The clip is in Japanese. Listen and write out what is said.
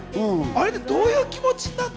あれってどういう気持ち？